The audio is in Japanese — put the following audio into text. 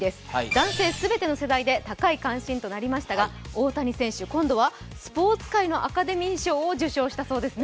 男性全ての世代で高い関心となりましたが大谷選手、今度はスポーツ界のアカデミー賞を受賞したそうです。